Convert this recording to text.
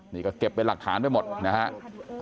นี่ก็เก็บเป็นหลักฐานไปหมดนะครับ